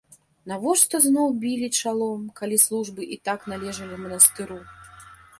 Навошта зноў білі чалом, калі службы і так належалі манастыру?